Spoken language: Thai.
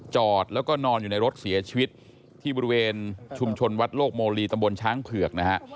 จอดแล้วก็นอนอยู่ในรถเสียชีวิตที่บริเวณชุมชนวัดโลกโมลีตำบลช้างเผือกนะฮะ